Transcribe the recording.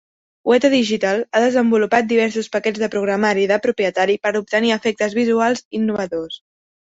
Weta Digital ha desenvolupat diversos paquets de programari de propietari per obtenir efectes visuals innovadors.